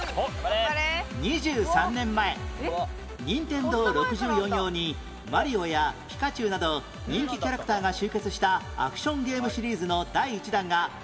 ２３年前 ＮＩＮＴＥＮＤＯ６４ 用にマリオやピカチュウなど人気キャラクターが集結したアクションゲームシリーズの第１弾がこの年発売開始